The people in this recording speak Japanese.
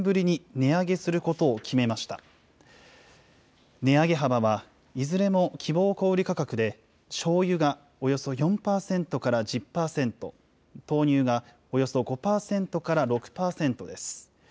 値上げ幅はいずれも希望小売り価格で、しょうゆがおよそ４％から１０％、豆乳がおよそ５％から６％です。